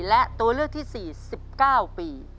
และตัวเลือกที่๔๑๙ปี